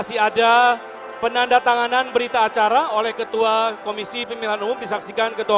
masih ada penanda tanganan berita acara oleh ketua komisi pemilihan umum disaksikan ketua